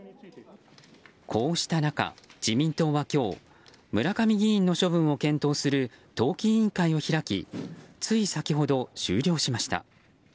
こうした中、自民党は今日村上議員の処分を検討する党紀委員会を開きつい先ほど終了しました。